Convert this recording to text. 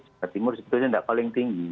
jawa timur sebetulnya tidak paling tinggi